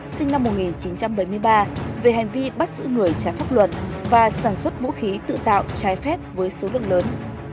sinh năm một nghìn chín trăm bảy mươi ba về hành vi bắt giữ người trái pháp luật và sản xuất vũ khí tự tạo trái phép với số lượng lớn